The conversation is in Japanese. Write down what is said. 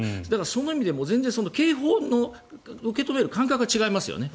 その意味でも警報の受け止める感覚が違いますよね。